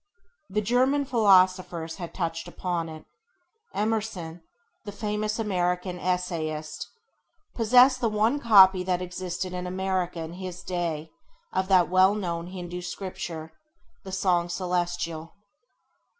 The German philosophers had touched upon it. Emerson, the famous American essayist, possessed the one copy that existed in America in his day of that now well known Hindû Scripture, The Song Celestial.